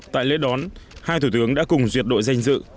tại lễ đón hai thủ tướng đã cùng duyệt đội danh dự